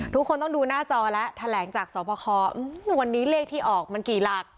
ทุกคนต้องดูหน้าจอแล้วแถลงจากสวบควันนี้เลขที่ออกมันกี่หลัก